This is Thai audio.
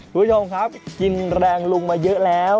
คุณผู้ชมครับกินแรงลุงมาเยอะแล้ว